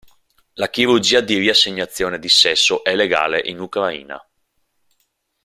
La chirurgia di riassegnazione di sesso è legale in Ucraina.